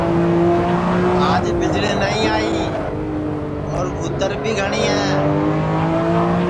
آج ٻِجݪی نائی آئی اور گُھوتر بھی گھٹؔی ہے